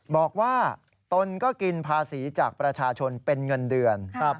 บอกว่าตนก็กินภาษีจากประชาชนเป็นเงินเดือน